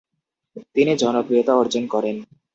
তিনি জনপ্রিয়তা অর্জন করেন ।